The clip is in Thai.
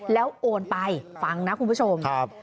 แล้วโอนไปฟังนะคุณผู้ชม